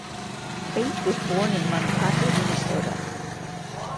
Bate was born in Mankato, Minnesota.